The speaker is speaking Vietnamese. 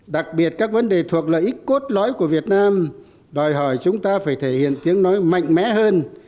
đặc biệt các vấn đề thuộc lợi ích cốt lõi của việt nam đòi hỏi chúng ta phải thể hiện tiếng nói mạnh mẽ hơn